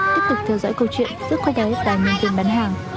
tiếp tục theo dõi câu chuyện giữa cô gái và nhân viên bán hàng